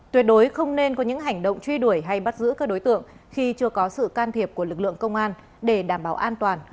tuyệt đối không nên có những hành động truy đuổi hay bắt giữ các đối tượng khi chưa có sự can thiệp của lực lượng công an để đảm bảo an toàn